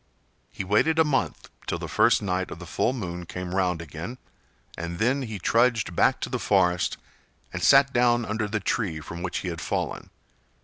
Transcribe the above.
He waited a month till the first night of the full moon came round again, and then he trudged back to the forest and sat down under the tree from which he had fallen.